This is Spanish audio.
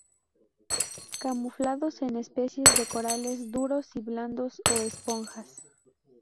Camuflados en especies de corales duros y blandos, o esponjas.